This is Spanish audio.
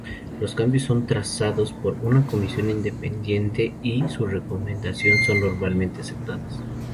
Los cambios son trazados por una comisión independiente, y su recomendación son normalmente aceptadas.